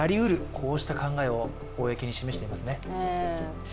こうした考えを公に示していますね。